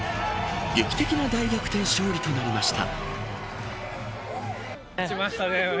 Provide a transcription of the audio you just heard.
劇的な大逆転勝利となりました。